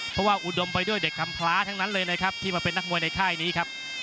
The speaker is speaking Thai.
เพราะว่าอุดมไปด้วยเด็กคำพลาทั้งนั้นเลยนะครับที่มาเป็นนักมวยในค่ายนี้ครับ